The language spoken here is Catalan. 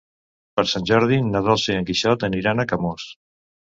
Per Sant Jordi na Dolça i en Quixot aniran a Camós.